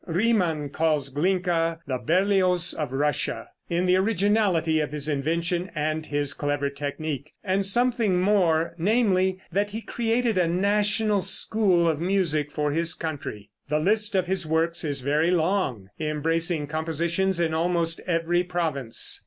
Riemann calls Glinka "the Berlioz of Russia," in the originality of his invention and his clever technique; and something more, namely, that he created a national school of music for his country. The list of his works is very long, embracing compositions in almost every province.